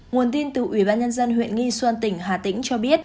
nguồn tin từ ubnd huyện nghi xuân tỉnh hà tĩnh cho biết